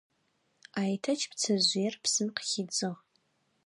Айтэч пцэжъыер псым къыхидзыгъ.